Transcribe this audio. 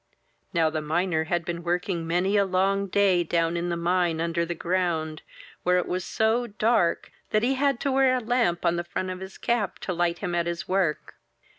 Now the miner had been working many a long day down in the mine, under the ground, where it was so dark that he had to wear a lamp on the front of his cap to light him at his work.